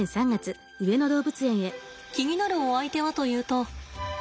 気になるお相手はというと。